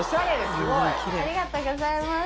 ありがとうございます。